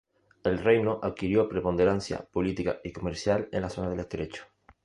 El reino adquirió preponderancia política y comercial en la zona del Estrecho.